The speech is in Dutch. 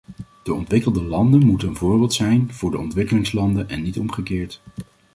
De ontwikkelde landen moeten een voorbeeld zijn voor de ontwikkelingslanden, en niet omgekeerd.